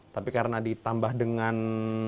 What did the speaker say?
tapi karena ditambah dengan